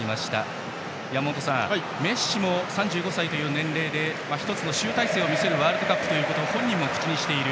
山本さん、メッシも３５歳という年齢で１つの集大成を見せるワールドカップだと本人も口にしている。